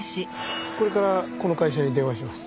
これからこの会社に電話します。